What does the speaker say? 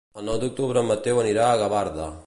El nou d'octubre en Mateu anirà a Gavarda.